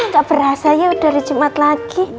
gak perasa ya udah hari jumat lagi